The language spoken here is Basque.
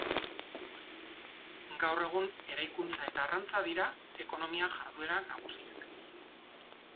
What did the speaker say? Gaur egun, eraikuntza eta arrantza dira ekonomia-jarduera nagusiak.